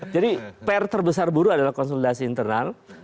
jadi pair terbesar buruh adalah konsolidasi internal